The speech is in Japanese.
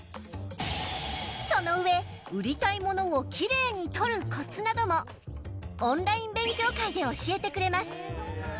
その上売りたいものを奇麗に撮るこつなどもオンライン勉強会で教えてくれます。